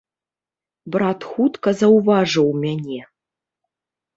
Брат хутка заўважыў мяне.